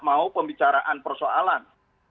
mau pembicaraan persoalan